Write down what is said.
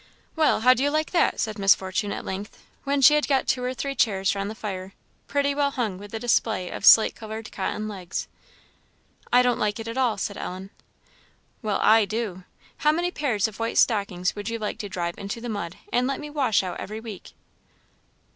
"Well, how do you like that?" said Miss Fortune, at length, when she had got two or three chairs round the fire, pretty well hung with a display of slate coloured cotton legs. "I don't like it at all," said Ellen. "Well, I do. How many pair of white stockings would you like to drive into the mud, and let me wash out every week?"